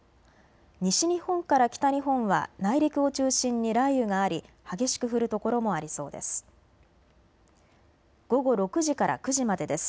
西日本から北日本は内陸を中心に雷雨があり、激しく降る所もありそうです。